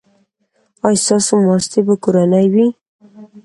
ایا ستاسو ماستې به کورنۍ وي؟